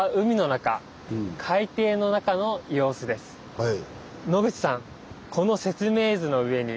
はい。